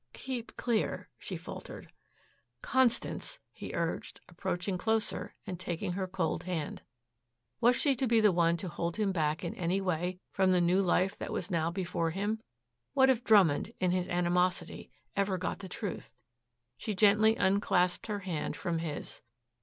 "Keep clear," she faltered. "Constance," he urged, approaching closer and taking her cold hand. Was she to be the one to hold him back in any way from the new life that was now before him? What if Drummond, in his animosity, ever got the truth? She gently unclasped her hand from his.